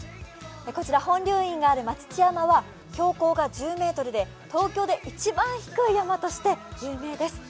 こちら本龍院がある待乳山は標高が１０ｍで東京で一番低い山として有名です。